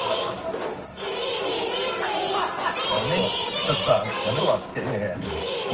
ちょっとさやめて。